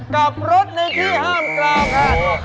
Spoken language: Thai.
กับรถในที่ห้ามกล่าวแพทย์